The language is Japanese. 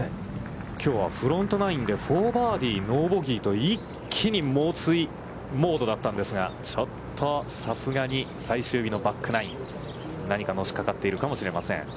きょうはフロントナインで４バーディー、ノーボギーと一気に猛追モードだったんですが、ちょっとさすがに最終日のバックナイン、何かのしかかっているかもしれません。